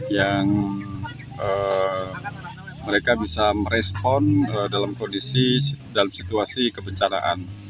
yang mereka bisa merespon dalam kondisi dalam situasi kebencanaan